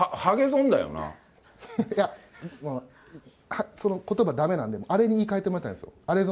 いや、まあ、そのことばだめなんで、あれに言いかえてもらいたいんですよ。